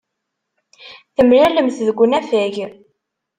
Temlalemt deg unafag.